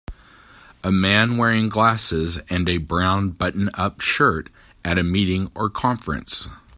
A man wearing glasses and a brown button up shirt at a meeting or conference.